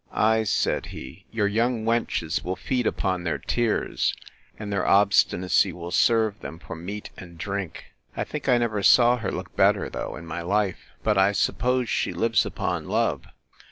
Ay, said he, your young wenches will feed upon their tears; and their obstinacy will serve them for meat and drink. I think I never saw her look better though, in my life!—But, I suppose, she lives upon love.